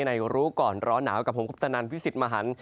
รู้ก่อนร้อนหนาวกับผมคุปตนันพิสิทธิ์มหัน